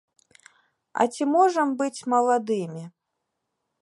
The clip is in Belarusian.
А ці можам быць маладымі?